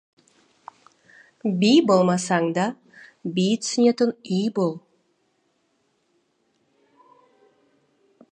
Би болмасаң да, би түсетін үй бол.